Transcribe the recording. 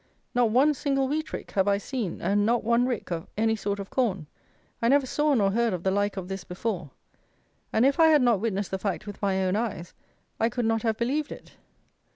Not one single wheat rick have I seen, and not one rick of any sort of corn. I never saw nor heard of the like of this before; and if I had not witnessed the fact with my own eyes I could not have believed it.